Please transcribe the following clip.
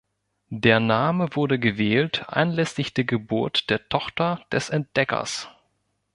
Der Name wurde gewählt anlässlich der Geburt der Tochter des Entdeckers.